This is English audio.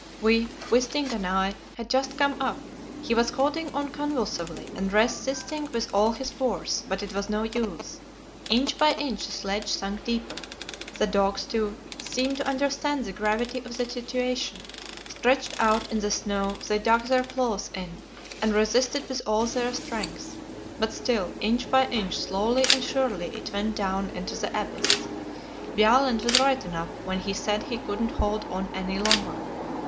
We Wisting and I had just come up. He was holding on convulsively, and resisting with all his force, but it was no use inch by inch the sledge sank deeper. The dogs, too, seemed to understand the gravity of the situation; stretched out in the snow, they dug their claws in, and resisted with all their strength. But still, inch by inch, slowly and surely, it went down into the abyss. Bjaaland was right enough when he said he couldn't hold on any longer.